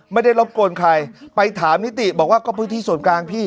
ไม่ได้รบกวนใครไปถามนิติบอกว่าก็พื้นที่ส่วนกลางพี่